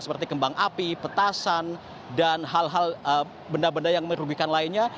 seperti kembang api petasan dan hal hal benda benda yang merugikan lainnya